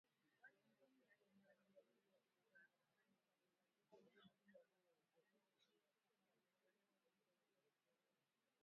Watu kumi na sita wamefikishwa mahakamani kwa kuwauzia silaha wanamgambo huko jamuhuri ya kidemokrasaia ya Kongo